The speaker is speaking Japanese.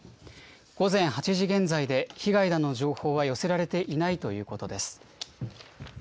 午前８時現在で、被害などの情報は寄せられていないということです。